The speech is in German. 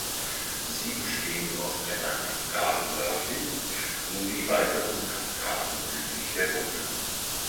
Sie bestehen aus einer Kaskade nördlich sowie weiteren Kaskaden südlich der Brücke.